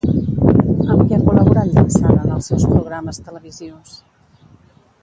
Amb qui ha col·laborat Llansana en els seus programes televisius?